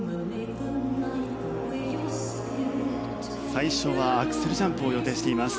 最初はアクセルジャンプを予定しています。